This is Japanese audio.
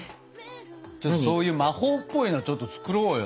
ちょっとそういう魔法っぽいのちょっと作ろうよ。